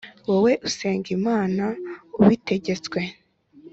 wowe usenga imana ubitegetswe